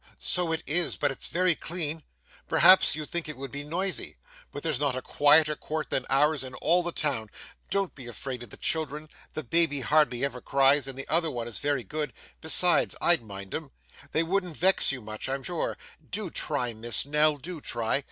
So it is, but it's very clean. Perhaps you think it would be noisy, but there's not a quieter court than ours in all the town. Don't be afraid of the children; the baby hardly ever cries, and the other one is very good besides, I'd mind 'em. They wouldn't vex you much, I'm sure. Do try, Miss Nell, do try.